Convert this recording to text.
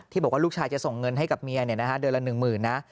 บอกว่าลูกชายจะส่งเงินให้กับเมียเดือนละ๑๐๐๐นะ